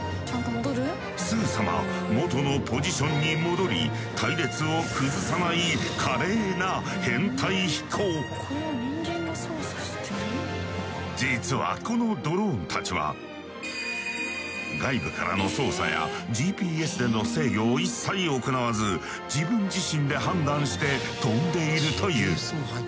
すぐさま元のポジションに戻り隊列を崩さない実はこのドローンたちは外部からの操作やＧＰＳでの制御を一切行わず自分自身で判断して飛んでいるという。